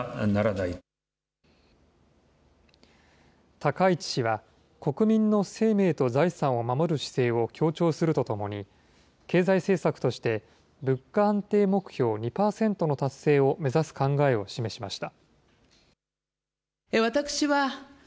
高市氏は、国民の生命と財産を守る姿勢を強調するとともに、経済政策として物価安定目標２％の達成を目指す考えを示しました。